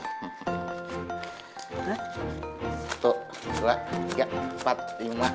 satu dua tiga empat lima